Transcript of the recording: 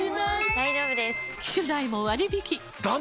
大丈夫です！